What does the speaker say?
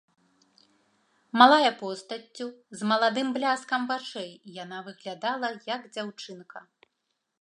Малая постаццю, з маладым бляскам вачэй, яна выглядала, як дзяўчынка.